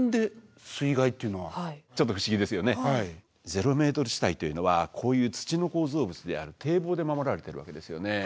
ゼロメートル地帯っていうのはこういう土の構造物である堤防で守られてるわけですよね。